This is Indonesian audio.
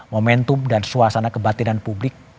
momentum dan suasana kebatinan publik